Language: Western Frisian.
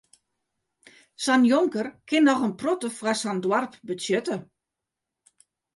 Sa'n jonker kin noch in protte foar sa'n doarp betsjutte.